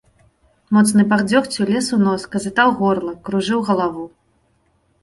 Моцны пах дзёгцю лез у нос, казытаў горла, кружыў галаву.